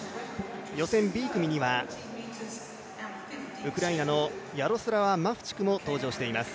予選Ｂ組にはウクライナのヤロスラワ・マフチクも登場しています。